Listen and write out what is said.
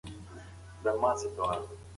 دا محلول د سرطان پر ځینو ډولونو اغېزناک و.